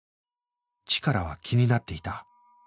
チカラは気になっていた